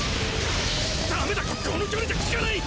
ダメだこの距離じゃ効かない！